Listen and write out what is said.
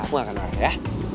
aku gak akan marah ya